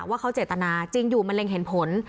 ว่าเขาเจตนาจริงอยู่มะเร็งเห็นผล